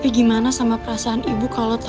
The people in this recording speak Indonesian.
ini ada surat untuk kamu